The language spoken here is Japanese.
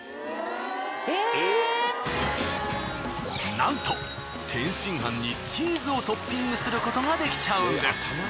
なんと天津飯にチーズをトッピングすることができちゃうんです。